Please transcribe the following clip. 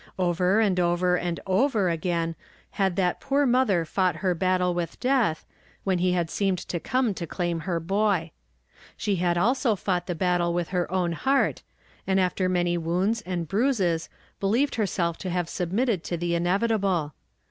Over and over and over again had that poor mother fought her battle with death, when he had seemed to come to claim her boy. She had also fought the battle with her own heart, and after many wounds and bruises believed hei self to have submitted to the inevitable.